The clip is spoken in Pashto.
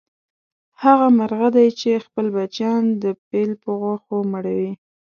هغه مرغه دی چې خپل بچیان د پیل په غوښو مړوي.